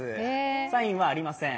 サインはありません。